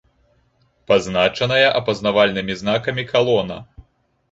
Пазначаная апазнавальнымі знакамі «Калона»